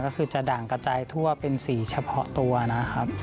ก็คือจะด่างกระจายทั่วเป็นสีเฉพาะตัวนะครับ